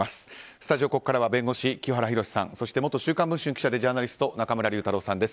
スタジオ、ここからは弁護士、清原博さんそして元「週刊文春」記者でジャーナリスト中村竜太郎さんです。